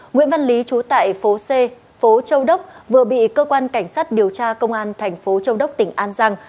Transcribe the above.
nguyễn văn lý trú tại phố c phố châu đốc vừa bị cơ quan cảnh sát điều tra công an thành phố châu đốc tỉnh an giang